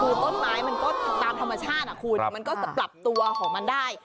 คือต้นไม้มันก็ตามธรรมชาติคุณมันก็จะปรับตัวของมันได้